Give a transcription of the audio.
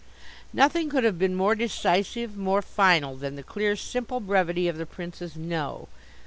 Nothing could have been more decisive, more final than the clear, simple brevity of the Prince's "No."